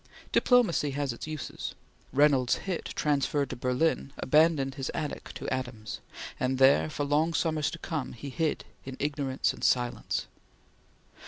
Diplomacy has its uses. Reynolds Hitt, transferred to Berlin, abandoned his attic to Adams, and there, for long summers to come, he hid in ignorance and silence.